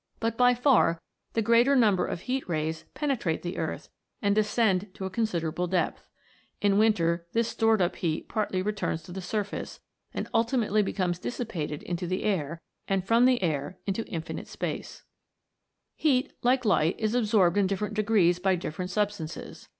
But by far the greater number of heat rays pene trate the earth, and descend to a considerable depth. In winter this stored up heat partly returns to the surface, and ultimately becomes dissipated into the air, and from the air into infinite space. THE MAGIC OF THE SUNBEAM. 99 Heat, like light, is absorbed in different degrees by different substances.